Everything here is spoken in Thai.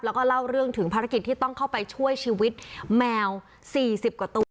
แล้วก็เล่าเรื่องถึงภารกิจที่ต้องเข้าไปช่วยชีวิตแมว๔๐กว่าตัว